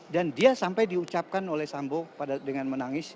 dan dia sampai diucapkan oleh sambo dengan menangis